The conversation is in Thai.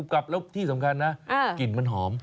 กลับแล้วที่สำคัญนะกลิ่นมันหอม